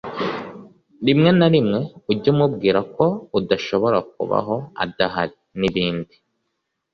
rimwe na rimwe ujye umubwira ko udashobora kubaho adahari , n’ibindi.